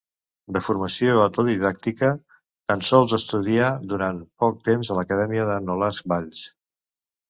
De formació autodidàctica, tan sols estudià durant poc temps a l'acadèmia de Nolasc Valls.